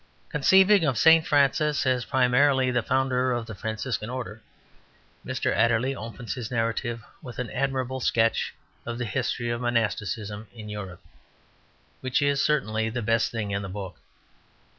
Conceiving of St Francis as primarily the founder of the Franciscan Order, Mr Adderley opens his narrative with an admirable sketch of the history of Monasticism in Europe, which is certainly the best thing in the book.